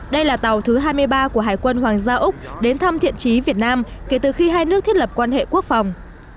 đây là tàu thứ hai mươi ba của hải quân hoàng gia úc đến thăm thiện trí việt nam kể từ khi hai nước thiết lập quan hệ quốc phòng